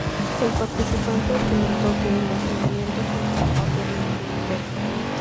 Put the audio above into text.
El participante argumentó que el entrenamiento con ella no tiene ningún efecto.